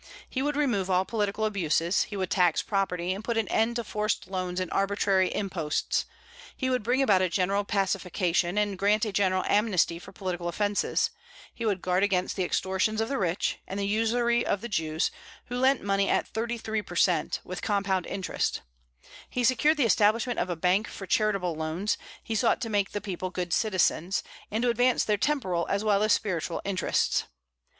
He would remove all political abuses; he would tax property, and put an end to forced loans and arbitrary imposts; he would bring about a general pacification, and grant a general amnesty for political offences; he would guard against the extortions of the rich, and the usury of the Jews, who lent money at thirty three per cent, with compound interest; he secured the establishment of a bank for charitable loans; he sought to make the people good citizens, and to advance their temporal as well as spiritual interests.